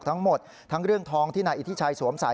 ทั้งหมดทั้งเรื่องทองที่นายอิทธิชัยสวมใส่